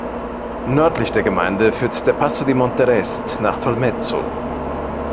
Nördlich der Gemeinde führt der Passo di Monte Rest nach Tolmezzo.